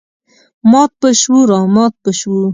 مات به شوو رامات به شوو.